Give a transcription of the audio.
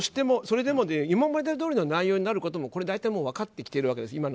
それでも今までどおりの内容になることもこれも分かってきてるんです。